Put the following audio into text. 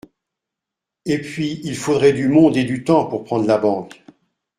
Et puis il faudrait du monde et du temps pour prendre la Banque.